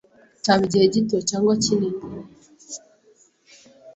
cyaba igihe gito cyangwa kinini.